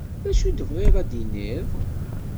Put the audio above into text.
D acu i tebɣiḍ ad d-iniḍ.